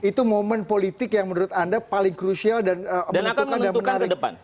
itu momen politik yang menurut anda paling krusial dan menentukan ke depan